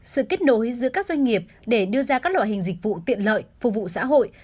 sự kết nối giữa các doanh nghiệp để đưa ra các loại hình dịch vụ tiện lợi phục vụ xã hội